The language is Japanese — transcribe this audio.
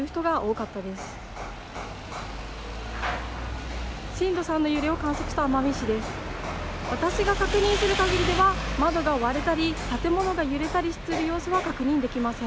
また私が見るかぎりでは建物が倒れたり、窓が割れたりする様子は確認できません。